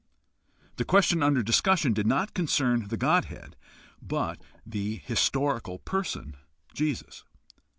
The question under discussion did not concern the Godhead but the historical person Jesus.